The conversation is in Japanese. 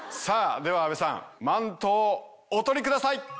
さぁでは阿部さんマントをお取りください！